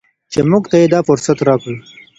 چې موږ ته یې دا فرصت راکړ.